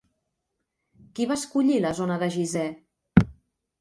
Qui va escollir la zona de Gizeh?